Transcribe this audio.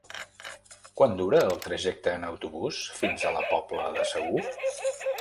Quant dura el trajecte en autobús fins a la Pobla de Segur?